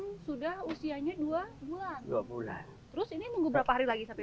gak yang remna pak